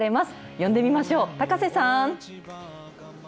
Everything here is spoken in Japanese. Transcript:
呼んでみましょう、高瀬さん。